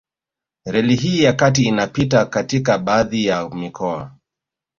Reli hii ya kati inapita katika baadhi ya mikoa